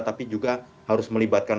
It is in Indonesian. tapi juga harus melibatkan